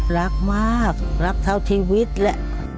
รักมากรักเท่าชีวิตแหละ